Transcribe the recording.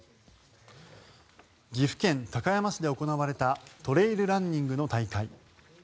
岐阜県高山市で行われたトレイルランニングの大会。